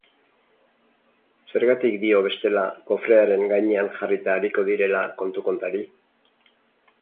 Zergatik dio bestela kofrearen gainean jarrita ariko direla kontu-kontari?